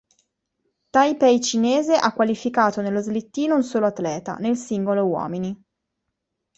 Taipei Cinese ha qualificato nello slittino un solo atleta, nel singolo uomini.